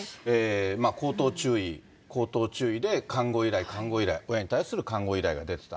口頭注意、口頭注意で、監護依頼、監護依頼、親に対する監護依頼が出ていた。